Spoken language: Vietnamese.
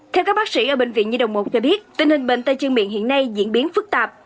theo các bác sĩ ở bệnh viện nhi đồng một cho biết tình hình bệnh tay chân miệng hiện nay diễn biến phức tạp